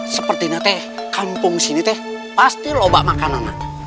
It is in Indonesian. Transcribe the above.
sepertinya teh kampung sini teh pasti lo bak makan anak anak